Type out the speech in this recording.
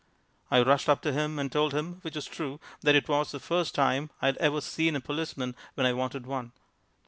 I rushed up to him and told him, which was true, that it was the first time I had ever seen a policeman when I wanted one.